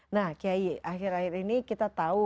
nah kiai akhir akhir ini kita tahu